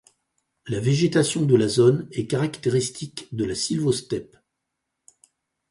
La végétation de la zone est caractéristique de la sylvosteppe.